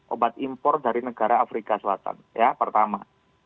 obat impor dari negara afrika selatan ya pertama